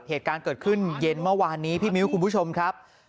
เหตุการณ์เกิดขึ้นเย็นเมื่อวานนี้พี่มิ้วคุณผู้ชมครับ